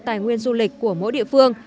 tài nguyên du lịch của mỗi địa phương